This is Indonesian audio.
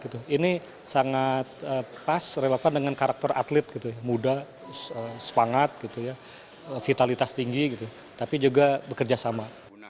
ini sangat pas dengan karakter atlet muda sepangat vitalitas tinggi tapi juga bekerja sama